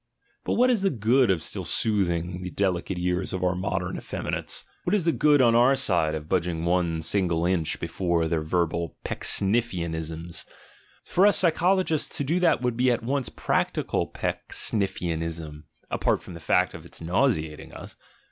But what is the good of still soothing the delicate ears of our modern effeminates? What is the good on our side of budging one single inch before their verbal Pecksniffian ism? For us psychologists to do that would be at once practical Pecksniffianism, apart from the fact of its nau seating us.